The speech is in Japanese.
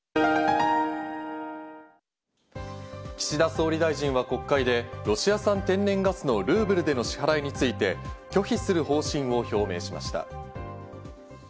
岸田総理大臣は国会で、ロシア産天然ガスのルーブルでの支払いについて拒否する方針を表明しました。